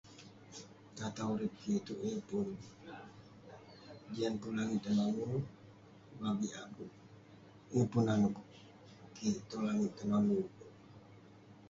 Tong atah urip kik itouk, yeng pun.. Jian pun langit tenonu, yeng pun nanouk kik tong langit tenonu kik..